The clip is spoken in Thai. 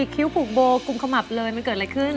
คิ้วผูกโบกุมขมับเลยมันเกิดอะไรขึ้น